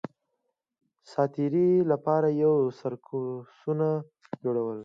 د ساتېرۍ لپاره یې سرکسونه جوړول